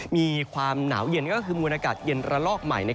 มีความหนาวเย็นก็คือมวลอากาศเย็นระลอกใหม่